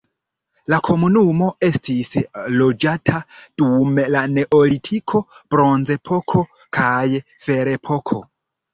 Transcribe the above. La komunumo estis loĝata dum la neolitiko, bronzepoko kaj ferepoko.